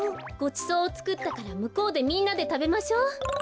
ごちそうをつくったからむこうでみんなでたべましょう。